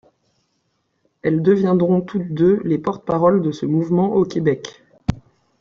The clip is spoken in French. Elles deviendront toutes deux les porte-paroles de ce mouvement au Québec.